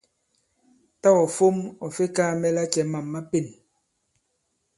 Tâ ɔ̀ fom ɔ̀ fe kaā mɛ lacɛ mâm ma pên.